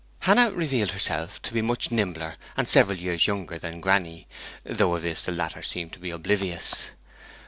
Hannah revealed herself to be much nimbler and several years younger than granny, though of this the latter seemed to be oblivious.